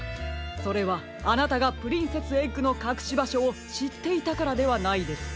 それはあなたがプリンセスエッグのかくしばしょをしっていたからではないですか？